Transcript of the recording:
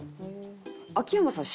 秋山さん